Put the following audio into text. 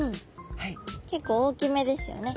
結構大きめですよね。